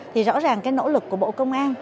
thì rõ ràng cái nỗ lực của bộ công an